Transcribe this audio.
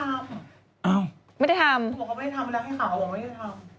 เขาไม่ได้ทำมันแรงให้ข่าวว่าไม่ได้ทำ